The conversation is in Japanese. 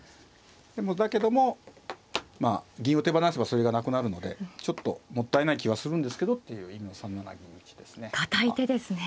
でもだけどもまあ銀を手放せばそれがなくなるのでちょっともったいない気はするんですけどっていう今３七銀打ですね。